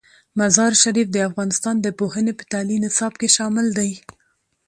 مزارشریف د افغانستان د پوهنې په تعلیمي نصاب کې شامل دی.